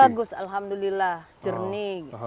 bagus alhamdulillah jernih